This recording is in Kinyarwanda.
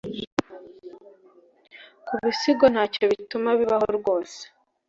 Kubisigo ntacyo bituma bibaho rwose